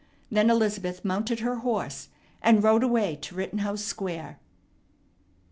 Then Elizabeth mounted her horse and rode away to Rittenhouse Square.